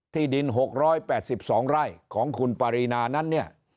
ที่ดิน๖๘๒ไร่ของคุณปารีนานั้นเนี่ย